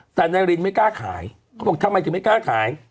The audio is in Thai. แต่นายรินไม่กล้าขายเขาบอกทำไมถึงไม่กล้าขาย